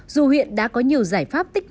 dù huyện đã có nhiều giải pháp tích năng